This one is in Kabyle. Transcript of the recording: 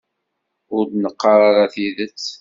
Ur d-neqqar ara tidet.